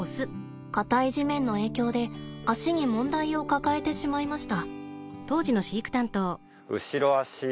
硬い地面の影響で足に問題を抱えてしまいました。